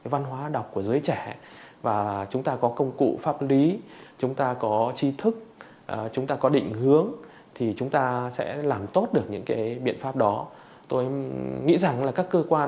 và vẫn là sự hứa hẹn và sẽ trả lời sau